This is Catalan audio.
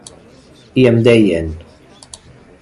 I em deien: